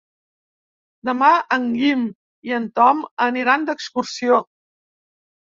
Demà en Guim i en Tom aniran d'excursió.